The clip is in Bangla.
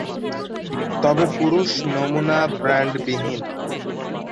তবে পুরুষ নমুনা ব্রান্ড বিহীন।